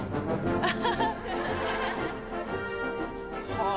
はあ！